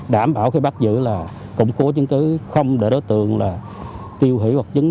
đảm bảo khi bắt giữ là củng cố chứng cứ không để đối tượng tiêu hủy hoặc dứng